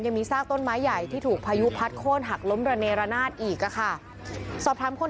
หลายคนหลายคนหลายคนหลายคนหลายคนหลายคนหลายคน